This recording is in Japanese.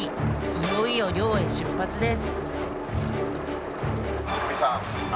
いよいよ漁へ出発です